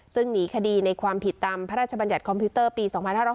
ซึ่งหนีคดีในความผิดตามพระราชบัญญัติคอมพิวเตอร์ปี๒๕๕๙